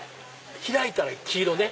開いたら黄色ね！